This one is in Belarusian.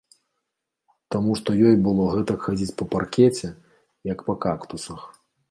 Таму што ёй было гэтак хадзіць па паркеце, як па кактусах.